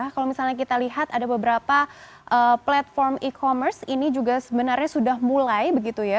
kalau misalnya kita lihat ada beberapa platform e commerce ini juga sebenarnya sudah mulai begitu ya